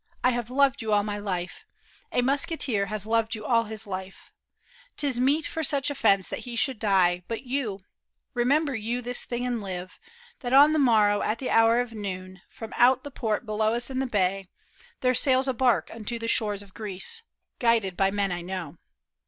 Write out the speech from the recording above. I have loved you all my life ; A musketeer has loved you all his life ; 'Tis meet for such offence that he should die. But you, remember you this thing and live. That on the morrow at the hour of noon, From out the port below us in the bay. CONFESSIO.V OF THE KING'S MUSKETEER. There sails a bark unto the shores of Greece, Guided by men I know.